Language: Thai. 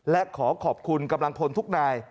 และขอขอบคุณกำลังพลทุกนาย